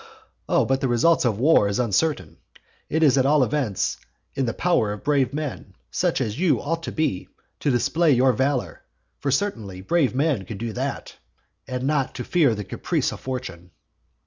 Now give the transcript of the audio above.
Oh, but the result of war is uncertain. It is at all events in the power of brave men, such as you ought to be, to display your valour, (for certainly brave men can do that,) and not to fear the caprice of fortune.